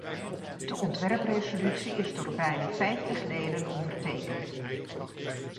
De ontwerpresolutie is door bijna vijftig leden ondertekend.